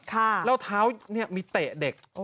แล้วเท้าเนี่ยมีเตะเด็ก